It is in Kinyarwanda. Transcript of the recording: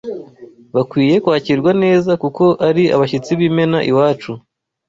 Bakwiye kwakirwa neza kuko ari abashyitsi b’imena iwacu